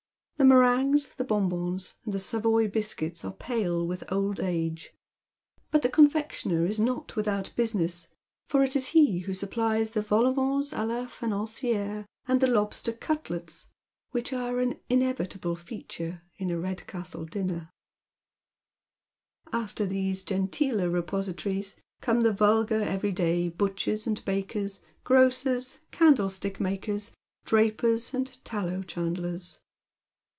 The meringues, the bonbons, the Savoy biscuits are pale with old age. But the confectioner is not with out business, for it is he who supplies the vol au vents a la Financiere, and the lobster cutlets which are au inevitable feature in a Eedcastle dinnei*. After these genteeler repositories come the vulgar every day butchers and bakers, grocers, caiidlestiek makers, drapers, and tallow chandlers.